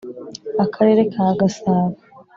akarere ka gasaba